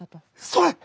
それ！